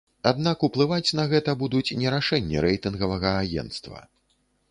Аднак уплываць на гэта будуць не рашэнні рэйтынгавага агенцтва.